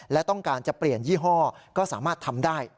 และต้องการจะเปลี่ยนยี่ห้อก็สามารถทำได้